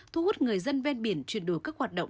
thu hút người dân ven biển chuyển đổi các hoạt động